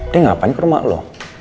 dia ngapain ke rumah loh